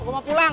gua mau pulang